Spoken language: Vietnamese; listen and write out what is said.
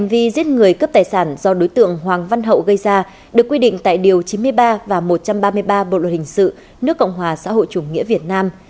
vì giết người cướp tài sản do đối tượng hoàng văn hậu gây ra được quy định tại điều chín mươi ba và một trăm ba mươi ba bộ luật hình sự nước cộng hòa xã hội chủ nghĩa việt nam